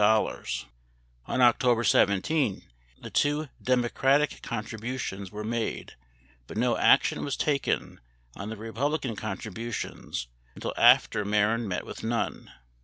8 On October 17, the two Democratic contribu tions were made, but no action was taken on the Republican contribu tions until after Mehren met with Nunn.